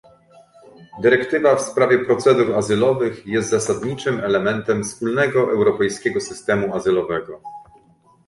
Dyrektywa w sprawie procedur azylowych jest zasadniczym elementem wspólnego europejskiego systemu azylowego